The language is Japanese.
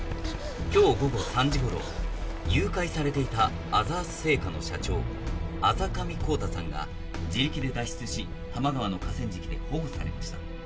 「今日午後３時頃誘拐されていたアザース製菓の社長阿座上康太さんが自力で脱出し多摩川の河川敷で保護されました」